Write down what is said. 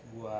ini ada buah